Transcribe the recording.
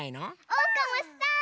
おうかもしたい！